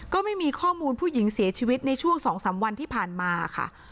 ก็ไม่มีข้อมูลผู้หญิงเสียชีวิตในช่วง๒๓วันที่ผ่านมาค่ะ